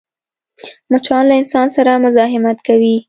مچان له انسان سره مزاحمت کوي